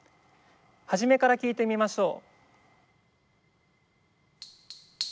初めから聴いてみましょう。